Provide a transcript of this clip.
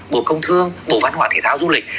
bộ công thương bộ văn hóa thể thao du lịch